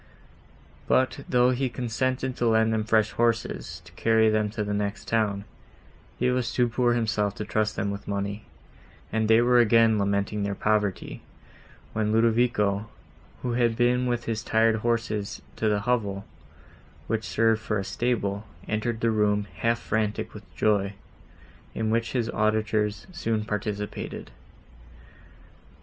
But, though he consented to lend them fresh horses to carry them to the next town, he was too poor himself to trust them with money, and they were again lamenting their poverty, when Ludovico, who had been with his tired horses to the hovel, which served for a stable, entered the room, half frantic with joy, in which his auditors soon participated.